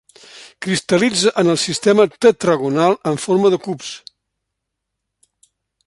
Cristal·litza en el sistema tetragonal en forma de cubs.